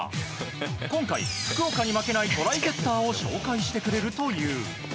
今回、福岡に負けないトライゲッターを紹介してくれるという。